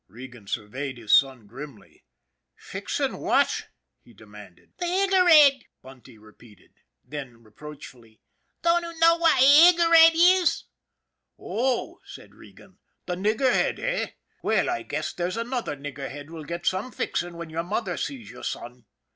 Regan surveyed his son grimly. " Fixing what ?" he demanded. " The 'iger 'ed," Bunty repeated. Then reproach fully: "Don't oo know w'at a 'iger 'ed is?" " Oh," said Regan, "the nigger head, eh? Well, I guess there's another nigger head will get some fixing when your mother sees you, son."